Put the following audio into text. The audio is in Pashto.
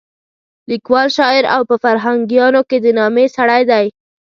لیکوال، شاعر او په فرهنګیانو کې د نامې سړی دی.